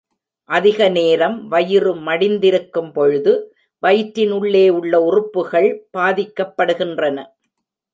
அதிக நேரம் வயிறு மடிந்திருக்கும் பொழுது, வயிற்றின் உள்ளே உள்ள உறுப்புகள் பாதிக்கப்படுகின்றன.